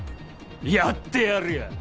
やってやるよ。